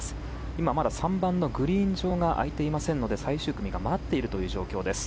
今まだ３番のグリーン上があいていませんので最終組が待っているという状況です。